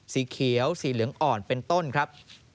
สีเขียวสีเหลืองอ่อนเป็นต้นครับ